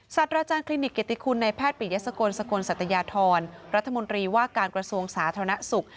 อาจารย์คลินิกเกติคุณในแพทย์ปิยสกลสกลสัตยาธรรัฐมนตรีว่าการกระทรวงสาธารณสุข